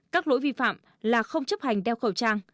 các lỗi vi phạm là không chấp hành đeo khẩu trang